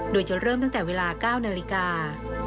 โดยจะเริ่มตั้งแต่เวลา๙นาฬิกา